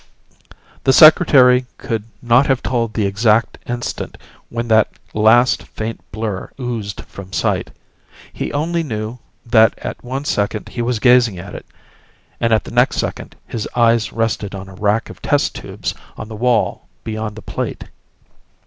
The Secretary could not have told the exact instant when that last faint blur oozed from sight. He only knew that at one second he was gazing at it and at the next second his eyes rested on a rack of test tubes on the wall beyond the plate.